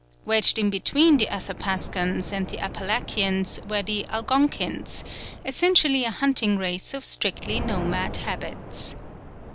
Wedged in between the Athapascans and the Apalachians were the Algonkins, essentially a hunting race of strictly nomad habits.